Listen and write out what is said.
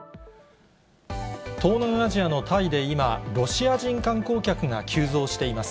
東南アジアのタイで今、ロシア人観光客が急増しています。